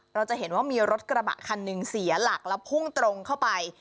เราจะเห็นว่ามีรถกระบะคันหนึ่งเสียหลักแล้วพุ่งตรงเข้าไป